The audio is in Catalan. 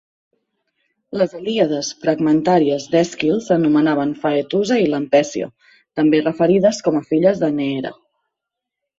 Les helíades fragmentàries d'Èsquil s'anomenaven Faetusa i Lampècia, també referides com a filles de Neera.